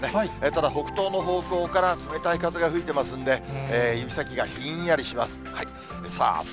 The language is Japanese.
ただ、北東の方向から冷たい風が吹いてますんで、指先がひんやりします。